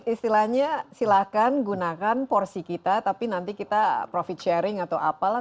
istilahnya silahkan gunakan porsi kita tapi nanti kita profit sharing atau apalah